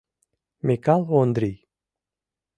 Микал Ондрий...